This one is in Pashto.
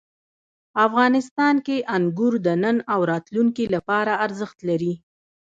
افغانستان کې انګور د نن او راتلونکي لپاره ارزښت لري.